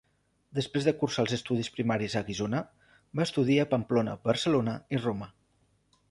Després de cursar els estudis primaris a Guissona, va estudiar a Pamplona, Barcelona i Roma.